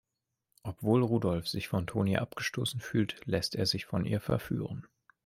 Obwohl Rudolf sich von Toni abgestoßen fühlt, lässt er sich von ihr verführen.